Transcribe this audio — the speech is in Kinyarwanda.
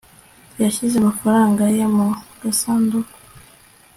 yashyize amafaranga ye mu gasanduku